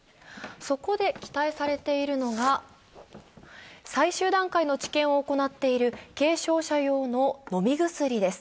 そこで期待されているのが、最終段階の治験を行っている軽症者の飲み薬です。